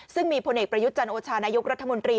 ซึ่งมีพลเอกประยุทธ์จันโอชานายกรัฐมนตรี